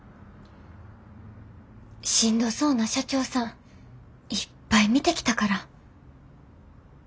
しんどそうな社長さんいっぱい見てきたから。